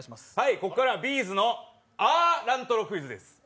ここからはＢ’ｚの「あー！ラントロクイズ」です。